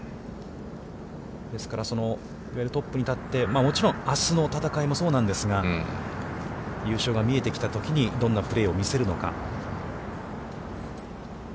ですから、いわゆるトップに立って、もちろんあすの戦いもそうなんですが、優勝が見えてきたときに、どんなプレーを見せるのか。